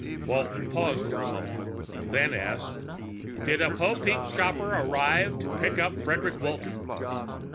Walton paused for a moment, then asked, "Did a Popeek copter arrive to pick up Frederic Walton?"